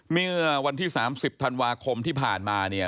เมื่อวันที่๓๐ธันวาคมที่ผ่านมาเนี่ย